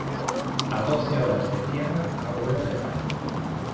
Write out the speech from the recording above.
a doce horas de tierra a vuelo de pato.